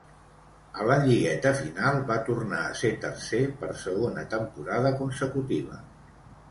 A la lligueta final va tornar a ser tercer per segona temporada consecutiva.